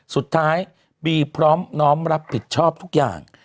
สุดท้ายบีพร้อมน้อมรับผิดชอบทุกอย่าง